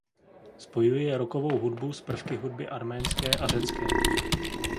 Spojuje rockovou hudbu s prvky hudby arménské a řecké.